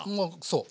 そう。